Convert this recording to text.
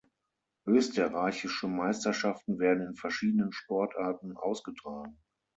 Österreichische Meisterschaften werden in verschiedenen Sportarten ausgetragen.